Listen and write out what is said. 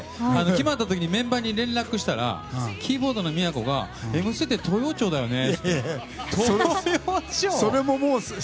決まった時にメンバーに連絡したらキーボードの都が「Ｍステ」って東陽町だよね？